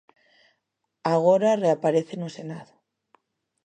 Agora reaparece no Senado.